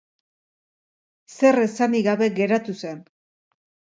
Zer esanik gabe geratu zen.